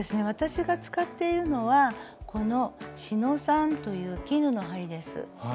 私が使っているのはこの「四ノ三」という絹の針です。